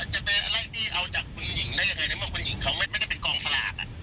จะเป็นอะไรที่เอาจากคุณหญิงได้ยังไงนะเพราะว่าคุณหญิงเขาไม่ได้เป็นกองฟราก